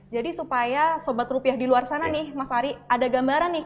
jadi supaya sobat rupiah di luar sana nih mas ari ada gambaran nih